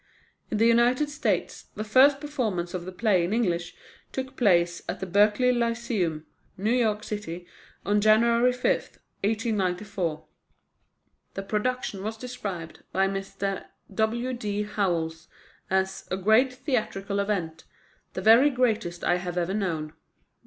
In the United States, the first performance of the play in English took place at the Berkeley Lyceum, New York City, on January 5, 1894. The production was described by Mr. W. D. Howells as "a great theatrical event the very greatest I have ever known."